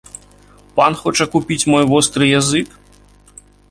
Пан хоча купіць мой востры язык?